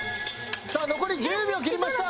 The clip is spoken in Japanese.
さあ残り１０秒切りました。